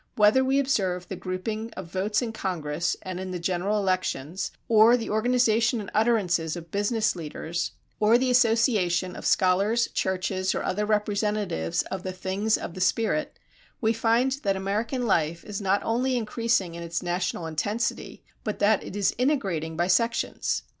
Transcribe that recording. [321:1] Whether we observe the grouping of votes in Congress and in general elections, or the organization and utterances of business leaders, or the association of scholars, churches, or other representatives of the things of the spirit, we find that American life is not only increasing in its national intensity but that it is integrating by sections.